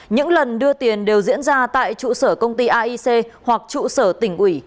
những lần đưa tiền đều diễn ra tại trụ sở công ty aic hoặc trụ sở tỉnh ủy